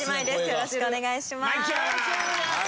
よろしくお願いします。